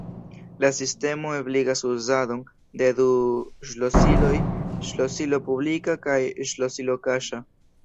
La sistemo ebligas uzadon de du ŝlosiloj: ŝlosilo publika kaj ŝlosilo kaŝa.